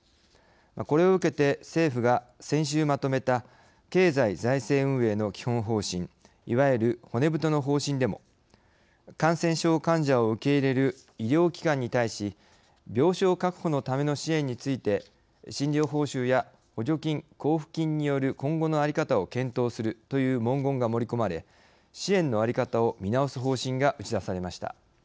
これを受けて政府が先週まとめた経済財政運営の基本方針いわゆる骨太の方針でも「感染症患者を受け入れる医療機関に対し病床確保のための支援について診療報酬や補助金・交付金による今後の在り方を検討する」という文言が盛り込まれ支援の在り方を見直す方針が打ち出されました。